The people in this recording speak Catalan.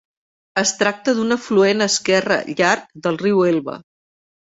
Es tracta d'un afluent esquerre llarg del riu Elba.